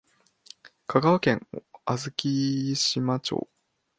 香川県小豆島町